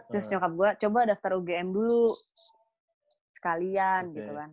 terus nyokap gue coba daftar ugm dulu sekalian gitu kan